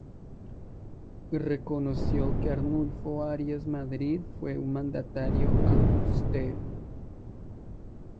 Reconoció que Arnulfo Arias Madrid, fue un mandatario austero.